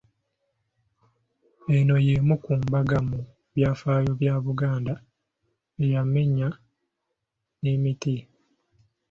Eno y’emu ku mbaga mu byafaayo bya Buganda eyamenya n’emiti.